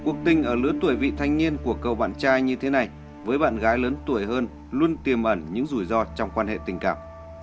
cuộc tình ở lứa tuổi vị thanh niên của cầu bạn trai như thế này với bạn gái lớn tuổi hơn luôn tiềm ẩn những rủi ro trong quan hệ tình cảm